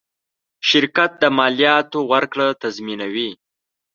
شرکت د مالیاتو ورکړه تضمینوي.